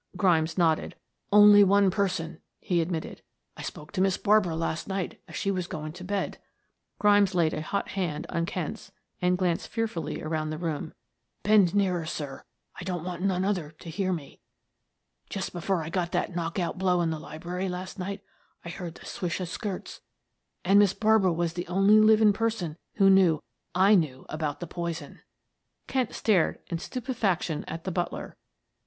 Grimes nodded. "Only one person," he admitted. "I spoke to Miss Barbara last night as she was going to bed." Grimes laid a hot hand on Kent's and glanced fearfully around the room. "Bend nearer, sir; I don't want none other to hear me. Just before I got that knockout blow in the library last night, I heard the swish o' skirts and Miss Barbara was the only living person who knew I knew about the poison." Kent stared in stupefaction at the butler.